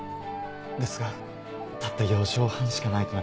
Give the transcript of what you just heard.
ですがたった４畳半しかないとなると。